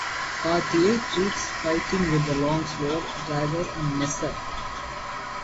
Part A treats fighting with the longsword, dagger and messer.